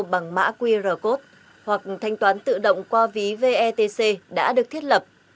bằng mã qr code hoặc thanh toán tự động qua ví vetc